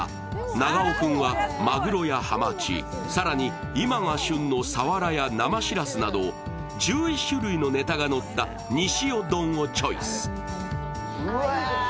長尾君はまぐろやハマチ、更に今が旬のサワラや生しらすなど１１種類のネタがのったにし与丼をチョイス。